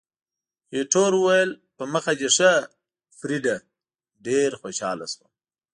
ایټور وویل، په مخه دې ښه فریډه، ډېر خوشاله شوم.